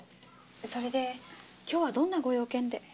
それで今日はどんなご用件で？